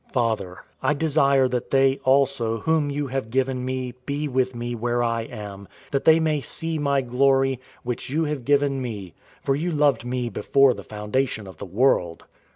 017:024 Father, I desire that they also whom you have given me be with me where I am, that they may see my glory, which you have given me, for you loved me before the foundation of the world.